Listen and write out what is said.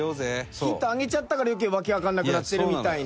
ヒントあげちゃったから余計訳わからなくなってるみたいな。